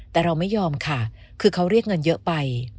แต่เราไม่ยอมค่ะคือเขาเรียกเงินเยอะไป